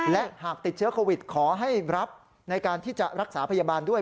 และหากติดเชื้อโควิดขอให้รับในการที่จะรักษาพยาบาลด้วย